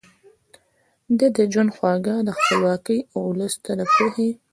ده د ژوند خواږه د خپلواکۍ او ولس ته د پوهې